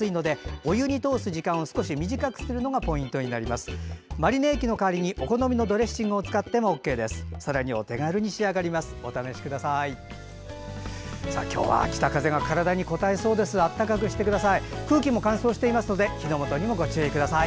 お試しください。